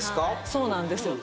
そうなんですよ。